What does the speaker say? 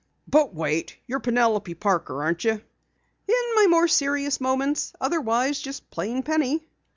"But wait! You're Penelope Parker, aren't you?" "In my more serious moments. Otherwise, just plain Penny."